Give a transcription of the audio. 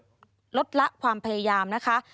แหลงมายลักลักลดละความพยายามนะคะ